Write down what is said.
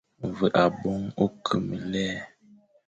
Ve aboñ ô ke me lè,